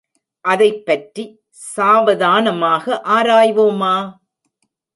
அதைப்பற்றி சாவதானமாக ஆராய்வோமா?